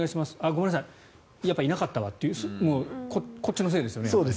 ごめんなさいやっぱりいなかったわってこっちのせいですよね。